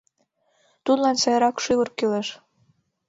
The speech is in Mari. Тудлан сайрак шӱвыр кӱлеш.